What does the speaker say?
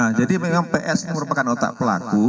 nah jadi memang ps merupakan otak pelaku